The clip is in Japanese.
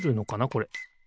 これ。